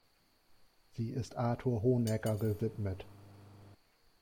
Sie ist Arthur Honegger gewidmet.